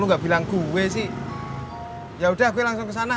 kau nggak bilang gue sih ya udah gue langsung ke sana